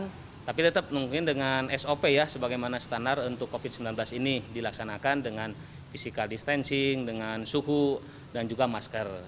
tapi tetap mungkin dengan sop ya sebagaimana standar untuk covid sembilan belas ini dilaksanakan dengan physical distancing dengan suhu dan juga masker